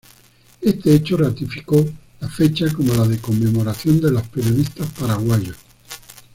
Este hecho ratificó la fecha como la de conmemoración de los periodistas paraguayos.